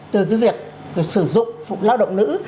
từ cái việc sử dụng lao động nữ